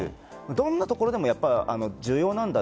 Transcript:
どんなところでも重要なんだ